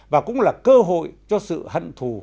và cũng là cơ hội cho sự hận thù